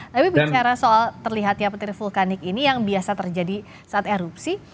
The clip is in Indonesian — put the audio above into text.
tapi bicara soal terlihatnya petir vulkanik ini yang biasa terjadi saat erupsi